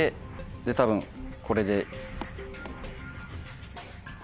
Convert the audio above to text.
で多分これで。